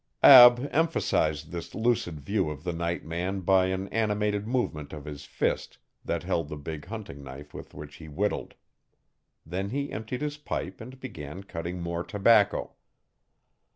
Ab emphasised this lucid view of the night man by an animated movement of his fist that held the big hunting knife with which he whittled. Then he emptied his pipe and began cutting more tobacco.